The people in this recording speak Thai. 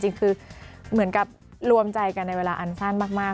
จริงคือเหมือนกับรวมใจกันในเวลาอันสั้นมาก